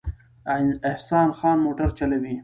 احسان خان موټر چلوي